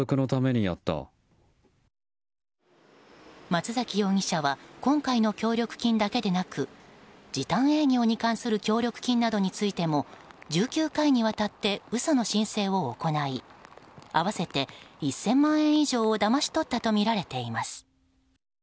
松崎容疑者は今回の協力金だけでなく時短営業に関する協力金などについても１９回にわたって嘘の申請を行い合わせて１０００万円以上をだまし取ったとみられています。